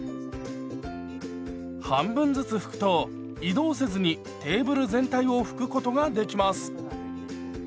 半分ずつ拭くと移動せずにテーブル全体を拭くことができます。